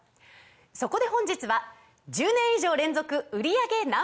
そこで本日は１０年以上連続売り上げＮｏ．１